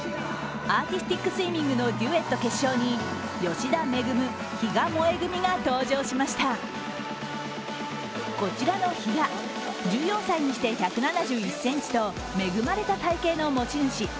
アーティスティックスイミングのデュエット決勝に吉田萌・比嘉もえ組が登場しましたこちらの比嘉、１４歳にして１７１ｃｍと恵まれた体形の持ち主。